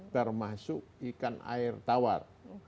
termasuk ikan air tawar